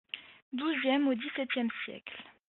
Douzième au dix-septième siècles.